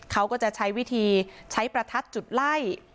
เขาก็จะใช้วิธีใช้ประทัดจุดไล่